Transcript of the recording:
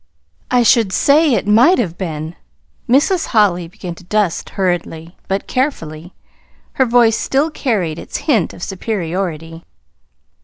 "I should say it might have been!" Mrs. Holly began to dust hurriedly, but carefully. Her voice still carried its hint of superiority.